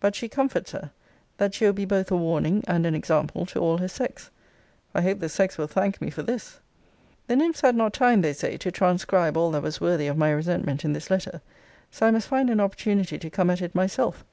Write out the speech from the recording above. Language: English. But she comforts her, 'that she will be both a warning and an example to all her sex.' I hope the sex will thank me for this! The nymphs had not time, they say, to transcribe all that was worthy of my resentment in this letter: so I must find an opportunity to come at it myself.